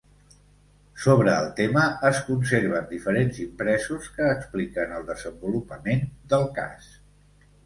Sobre el tema es conserven diferents impresos que expliquen el desenvolupament del cas.